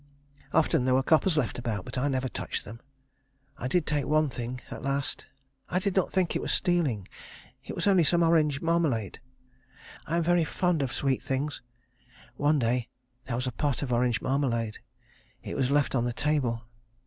Often there were coppers left about, but I never touched them. I did take one thing at last. I did not think it was stealing. It was only some orange marmalade. I am very fond of sweet things. One day there was a pot of orange marmalade. It was left on the table.